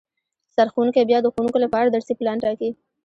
سرښوونکی بیا د ښوونکو لپاره درسي پلان ټاکي